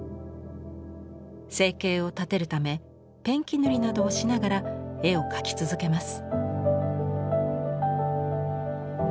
生計を立てるためペンキ塗りなどをしながら絵を描き続けます。